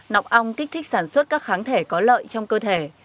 nọc ong kích thích sản xuất các kháng thể có lợi trong cơ thể